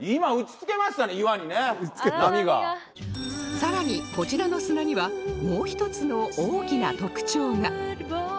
さらにこちらの砂にはもう一つの大きな特徴が